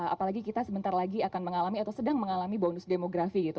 apalagi kita sebentar lagi akan mengalami atau sedang mengalami bonus demografi gitu